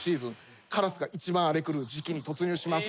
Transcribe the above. カラスが一番荒れ狂う時期に突入します。